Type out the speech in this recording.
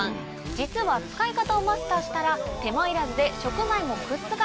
実は使い方をマスターしたら手間いらずで食材もくっつかない！